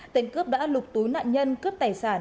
tên cướp đã lục túi nạn nhân cướp tài sản